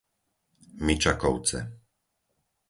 Mičakovce